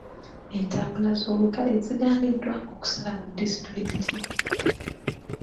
Entambula z’olukale zigaaniddwa okusala mu disitulikiti.